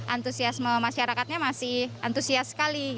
antusiasme masyarakatnya masih antusias sekali